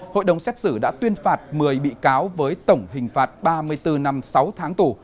hội đồng xét xử đã tuyên phạt một mươi bị cáo với tổng hình phạt ba mươi bốn năm sáu tháng tù